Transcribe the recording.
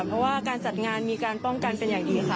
เพราะว่าการจัดงานมีการป้องกันเป็นอย่างดีค่ะ